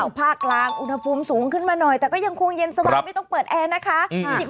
ภาคกลางอุณหภูมิสูงขึ้นมาหน่อยแต่ก็ยังคงเย็นสบายไม่ต้องเปิดแอร์นะคะ